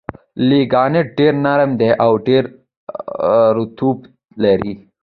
لېګنایټ ډېر نرم دي او ډېر رطوبت لري.